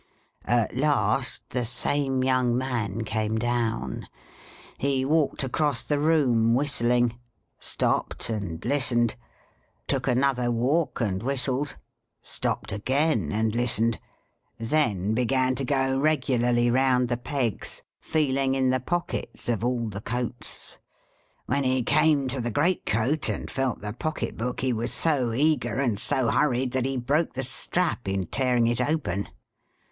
" At last, the same young man came down. He walked across the room, whistling — stopped and listened — took another walk and whistled — stopped again, and listened — then began to go regularly round the pegs, feeling in the pockets of all the coats. When he came to THE great coat, and felt the pocket book, he was so eager and so hurried that he broke the strap in tearing it open.